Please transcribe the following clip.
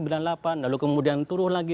lalu kemudian turun lagi